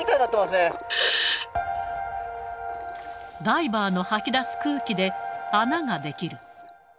ダイバーの吐き出す空気で、穴が出来る。